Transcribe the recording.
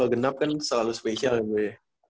kalau genap kan selalu spesial ya gue